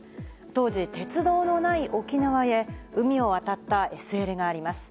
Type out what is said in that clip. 当時、鉄道のない沖縄へ、海を渡ったＳＬがあります。